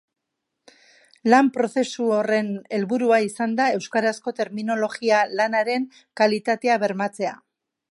Lan-prozesu horren helburua izan da euskarazko terminologia-lanaren kalitatea bermatzea.